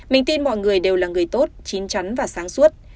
mình tin mọi người đều là người tốt chín chắn và sáng suốt